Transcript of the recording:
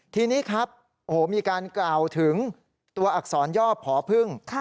ทีนี้ครับโอ้โหมีการกล่าวถึงตัวอักษรย่อผอพึ่ง